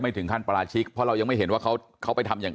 ถึงขั้นปราชิกเพราะเรายังไม่เห็นว่าเขาไปทำอย่าง